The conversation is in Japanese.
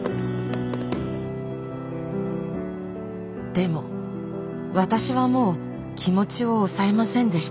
でも私はもう気持ちを抑えませんでした。